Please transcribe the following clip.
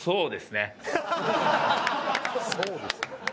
「そうですね」。